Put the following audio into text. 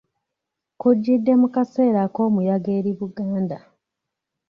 Kujjidde mu kaseera ak'omuyaga eri Buganda